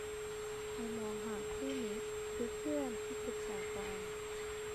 ให้มองหาคู่มิตรหรือเพื่อนที่ปรึกษาก่อน